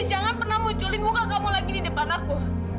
jangan pernah munculin muka kamu lagi di depan aku